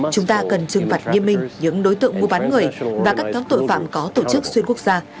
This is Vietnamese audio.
chúng ta cần trưng phạt nghiêm minh những đối tượng mùa bán người và các các tội phạm có tổ chức xuyên quốc gia